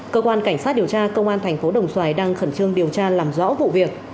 cơ quan cảnh sát điều tra công an thành phố đồng xoài đang khẩn trương điều tra làm rõ vụ việc